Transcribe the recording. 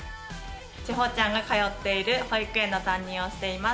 千穂ちゃんが通っている保育園の担任をしています。